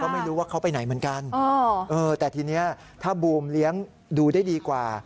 ไม่รู้ว่าเขาไปไหนเหมือนกันแต่ทีนี้ถ้าบูมเลี้ยงดูได้ดีกว่า